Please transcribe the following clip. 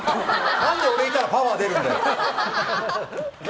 何で俺がいたらパワー出るんだよ。